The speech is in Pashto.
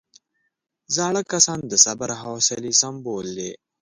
زاړه کسان د صبر او حوصلې سمبول دي